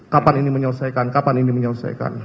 kapan ini menyelesaikan kapan ini menyelesaikan